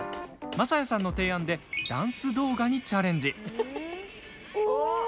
匡哉さんの提案でダンス動画にチャレンジ。